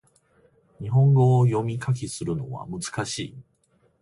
日本語を読み書きするのは難しい